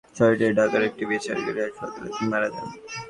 গতকাল শুক্রবার ভোর সাড়ে ছয়টায় ঢাকার একটি বেসরকারি হাসপাতালে তিনি মারা যান।